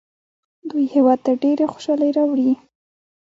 دوی هیواد ته ډېرې خوشحالۍ راوړي.